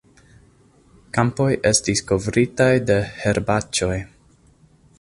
Kampoj estis kovritaj de herbaĉoj.